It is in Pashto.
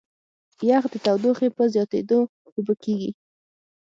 یخ د تودوخې په زیاتېدو اوبه کېږي.